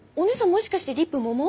もしかしてリップもも？